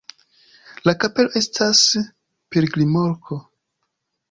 La kapelo estas pilgrimloko.